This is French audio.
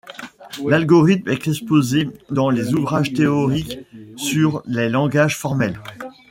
L'algorithme est exposé dans les ouvrages théoriques sur les langages formels.